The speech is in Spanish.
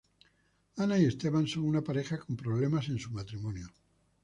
Ana y Esteban son una pareja con problemas en su matrimonio.